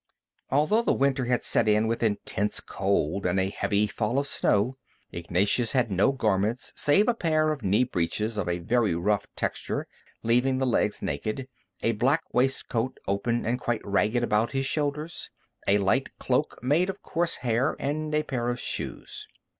Although the winter had set in with intense cold and a heavy fall of snow, Ignatius had no garments save a pair of knee breeches of a very rough texture, leaving the legs naked, a black waistcoat open and quite ragged about his shoulders, a light cloak made of coarse hair, and a pair of shoes.